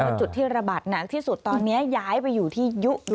เป็นจุดที่ระบาดหนักที่สุดตอนนี้ย้ายไปอยู่ที่ยุโร